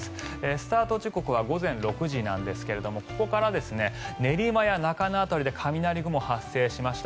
スタート時刻は午前６時なんですがここから練馬や中野の辺りで雷雲が発生しました。